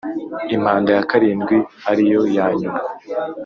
Impanda ya karindwi ariyo yanyuma